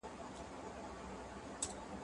زه به سبا اوبه پاکوم